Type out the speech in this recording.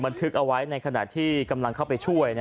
ทึกเอาไว้ในขณะที่กำลังเข้าไปช่วย